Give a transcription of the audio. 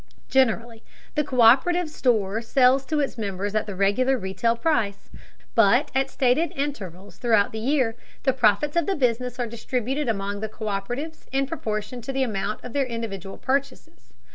Generally, the co÷perative store sells to its members at the regular retail price, but at stated intervals throughout the year the profits of the business are distributed among the co÷peratives in proportion to the amount of their individual purchases.